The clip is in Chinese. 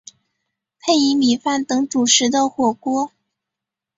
配以米饭等主食的火锅。